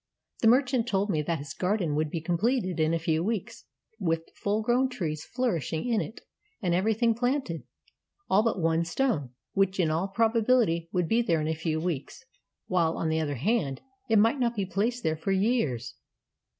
The merchant told me that his garden would be com pleted in a few weeks, with full grown trees flourishing in it, and everything planted — all but one stone, which in all probability would be there in a few weeks, while, on the other hand, it might not be placed there for years.